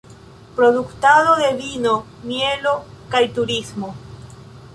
Produktado de vino, mielo kaj turismo.